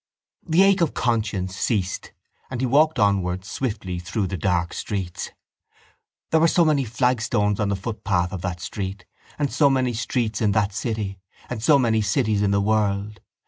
The ache of conscience ceased and he walked onward swiftly through the dark streets. There were so many flagstones on the footpath of that street and so many streets in that city and so many cities in the world.